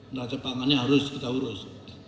neraca pangannya harus kita urus